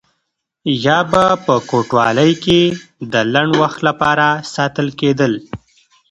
یا به په کوټوالۍ کې د لنډ وخت لپاره ساتل کېدل.